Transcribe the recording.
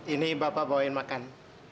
ini bapak bawain makan